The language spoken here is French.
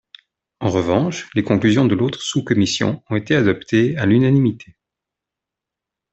En revanche, les conclusions de l'autre sous-commission ont été adoptées à l'unanimité.